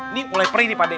ni mulai perih pa de